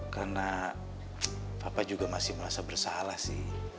karena papa juga masih merasa bersalah sih